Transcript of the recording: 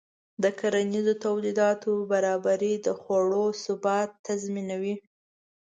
د کرنیزو تولیداتو برابري د خوړو ثبات تضمینوي.